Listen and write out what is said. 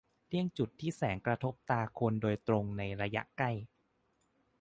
-เลี่ยงจุดที่แสงกระทบตาคนโดยตรงในระยะใกล้